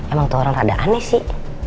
emang tuh orang rada aneh sih